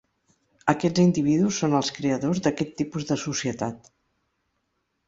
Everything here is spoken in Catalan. Aquests individus són els creadors d'aquest tipus de societat.